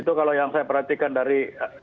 itu kalau yang saya perhatikan dari